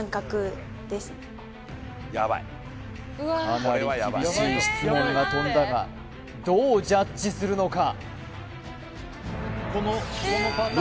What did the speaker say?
かなり厳しい質問が飛んだがどうジャッジするのか？